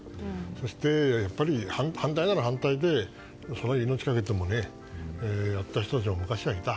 そして、反対なら反対でそれは、命をかけてもねやった人たちが昔はいた。